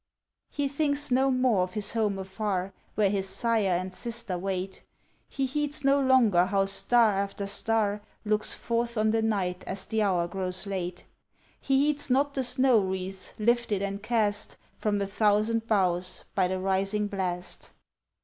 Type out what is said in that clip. He thinks no more of his home afar, Where his sire and sister wait. He heeds no longer how star after star Looks forth on the night as the hour grows late. He heeds not the snow wreaths, lifted and cast From a thousand boughs, by the rising blast.